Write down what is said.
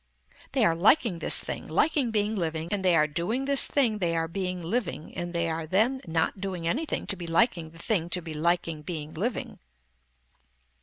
They are liking this thing, liking being living and they are doing this thing they are being living and they are then not doing anything to be liking the thing to be liking being living.